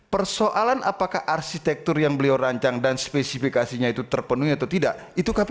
persoalan apakah arsitektur yang beliau rancang dan spesifikasi tertentu itu harus disesuaikan dengan arsitektur yang beliau rancang